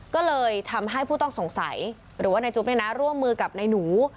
ก็เลยทำให้ผู้ต้องสงสัยหรือว่านายจุ๊บร่วมมือกับนายหนู